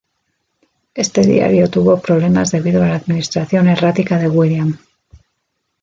Este diario tuvo problemas debido a la administración errática de William.